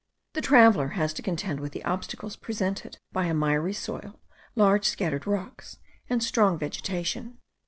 The traveller has to contend with the obstacles presented by a miry soil, large scattered rocks, and strong vegetation.